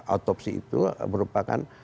otopsi itu merupakan